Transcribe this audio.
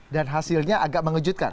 dan hasilnya agak mengejutkan